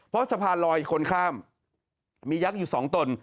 เพราะสะพานลอยคนข้ามมียักษ์อยู่๒ตน